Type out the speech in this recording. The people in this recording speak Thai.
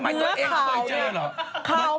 ทำไมตัวเองก็ไม่เจอหรอ